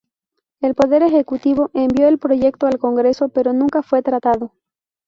El Poder Ejecutivo envió el proyecto al Congreso, pero nunca fue tratado.